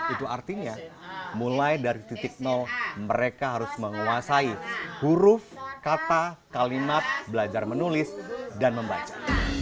itu artinya mulai dari titik nol mereka harus menguasai huruf kata kalimat belajar menulis dan membaca